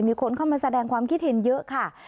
มีคนเข้ามาแสดงความคิดเห็นเยอะค่ะ